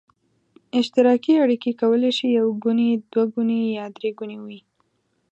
اشتراکي اړیکې کولای شي یو ګوني، دوه ګوني یا درې ګوني وي.